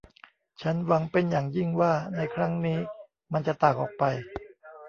ฉันหวังเป็นอย่างยิ่งว่าในครั้งนี้มันจะต่างออกไป